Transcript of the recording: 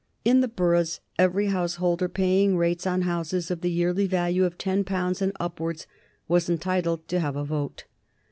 In the boroughs every householder paying rates on houses of the yearly value of ten pounds and upwards was entitled to have a vote.